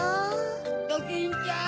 ・ドキンちゃん！